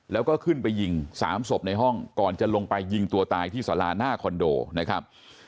แล้วก็ขึ้นไปยิง๓ศพในห้องก่อนจะลงไปยิงตัวตายที่สาราหน้าคอนโดนะครับ